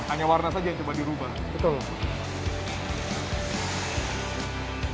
hanya warna saja yang coba dirubah betul